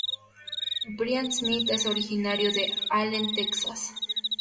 Brian J. Smith es originario de Allen, Texas.